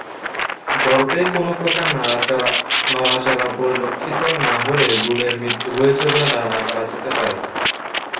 গর্ভে কোনো প্রকার নড়াচড়া পরিলক্ষিত না হলে ভ্রূণের মৃত্যু হয়েছে বলে ধারণা করা যেতে পারে।